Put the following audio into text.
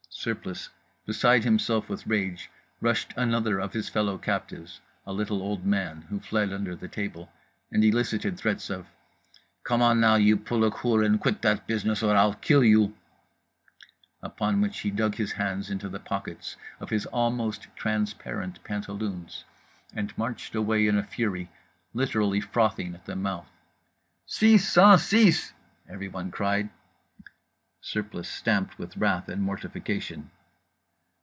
Surplice, beside himself with rage, rushed another of his fellow captives (a little old man, who fled under the table) and elicited threats of: "Come on now, you Polak hoor, and quit that business or I'll kill you," upon which he dug his hands into the pockets of his almost transparent pantaloons and marched away in a fury, literally frothing at the mouth.— "Six Cent Six!" everyone cried. Surplice stamped with wrath and mortification.